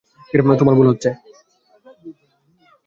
তোমার ভুল হচ্ছে।